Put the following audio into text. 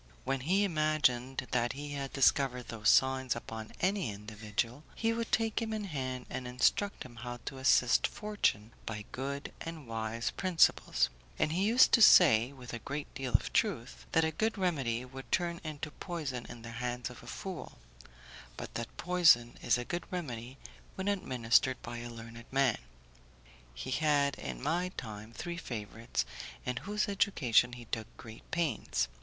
When he imagined that he had discovered those signs upon any individual, he would take him in hand and instruct him how to assist fortune by good and wise principles; and he used to say, with a great deal of truth, that a good remedy would turn into poison in the hands of a fool, but that poison is a good remedy when administered by a learned man. He had, in my time, three favourites in whose education he took great pains.